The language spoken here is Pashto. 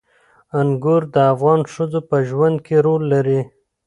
انګور د افغان ښځو په ژوند کې رول لري.